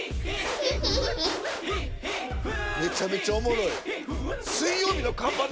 めちゃめちゃおもろい。